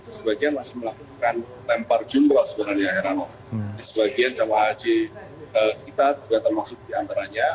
sebagian masih melakukan lempar jumlah sebenarnya rano sebagian jemaah haji kita sudah termasuk di antaranya